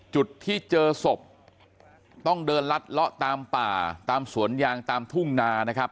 จุดที่เจอศพต้องเดินลัดเลาะตามป่าตามสวนยางตามทุ่งนานะครับ